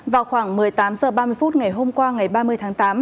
vào khoảng một mươi tám h ba mươi phút ngày hôm qua ngày ba mươi tháng tám